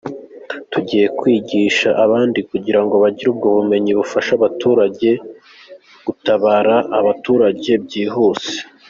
Tugiye kwigisha abandi kugira ngo bagire ubwo bumenyi bubafasha gutabara abaturage byihuse.